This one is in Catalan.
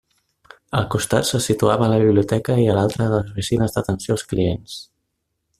A un costat se situava la biblioteca i a l'altra les oficines d'atenció als clients.